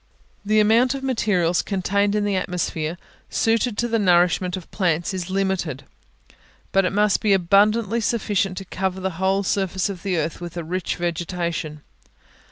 The amount of materials contained in the atmosphere, suited to the nourishment of plants, is limited; but it must be abundantly sufficient to cover the whole surface of the earth with a rich vegetation.